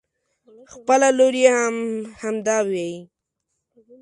خپله لور يې هم همدا وايي.